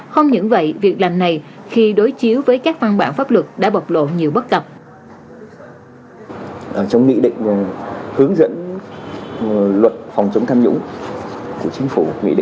không những vậy việc làm này khi đối chiếu với các văn bản pháp luật đã bộc lộ nhiều bất cập